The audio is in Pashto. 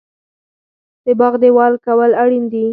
د باغ دیوال کول اړین دي؟